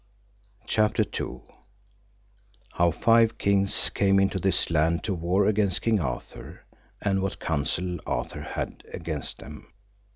CHAPTER II. How five kings came into this land to war against King Arthur, and what counsel Arthur had against them.